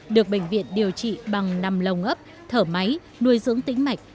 được bệnh viện điều trị bằng nằm lồng ấp thở máy nuôi dưỡng tính mạch